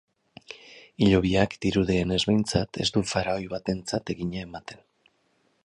Hilobiak, dirudienez behintzat, ez du faraoi batentzat egina ematen.